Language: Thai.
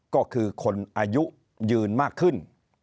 ก็คือคนอายุยืนมากขึ้น